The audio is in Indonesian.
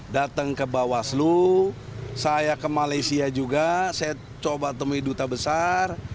datang ke bawaslu saya ke malaysia juga saya coba temui duta besar